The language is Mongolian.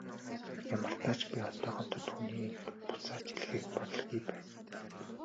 Ямартаа ч би одоохондоо түүнийг буцааж илгээх бодолгүй байна.